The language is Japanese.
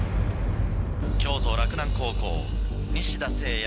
京都洛南高校西田誠也